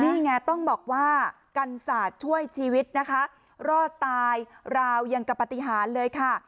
นี่ไงต้องบอกว่ากันศาสตร์ช่วยชีวิตนะคะรอดตายราวยังกับปฏิหารเลยค่ะ